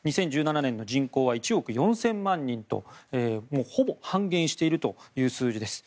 ２０１７年の人口は１億４０００万人とほぼ半減しているという数字です。